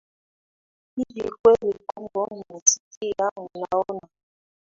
hivi kweli congo mnasikia mnaona